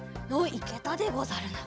いけたでござるな。